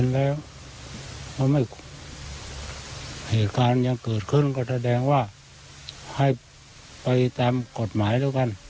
แล้วเหตุการณ์ยังเกิดขึ้นก็แสดงว่าให้ไปตามกฎหมายแล้วกัน